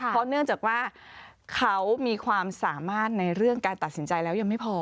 เพราะเนื่องจากว่าเขามีความสามารถในเรื่องการตัดสินใจแล้วยังไม่พอ